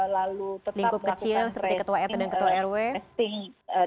lalu tetap melakukan testing dan treatment